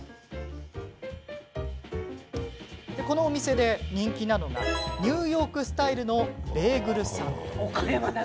この、お店で人気なのがニューヨークスタイルのベーグルサンド。